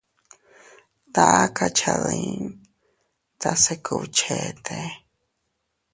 Taka cha dii tase kubchete.